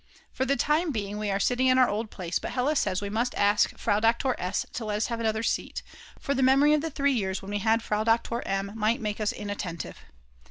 For the time being we are sitting in our old place, but Hella says we must ask Frau Doktor S. to let us have another seat, for the memory of the three years when we had Frau Doktor M. might make us inattentive.